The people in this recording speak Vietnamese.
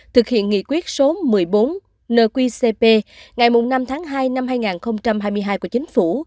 thực hiện nghị quyết số một mươi bốn nqcp ngày năm tháng hai năm hai nghìn hai mươi hai của chính phủ